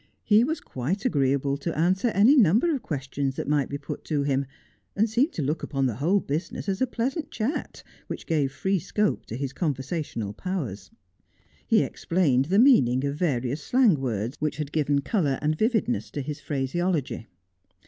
He was quite agreeable to answer any number of questions that might be put to him, and deemed to look upon the whole business as a pleasant chat, which gave free scope to his conversational powers. He explained the meaning of various slang words, which had given colour and vividness to his phraseology.